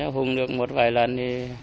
hùng được một vài lần